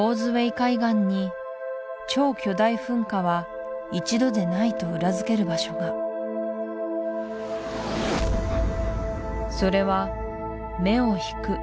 海岸に超巨大噴火は一度でないと裏付ける場所がそれは目を引く